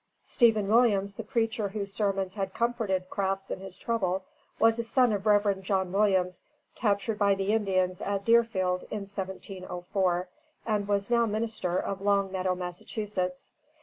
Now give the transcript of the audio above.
Stephen Williams, the preacher whose sermons had comforted Crafts in his trouble, was a son of Rev. John Williams, captured by the Indians at Deerfield in 1704, and was now minister of Long Meadow, Massachusetts.